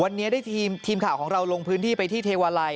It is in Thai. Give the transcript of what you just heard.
วันนี้ได้ทีมข่าวของเราลงพื้นที่ไปที่เทวาลัย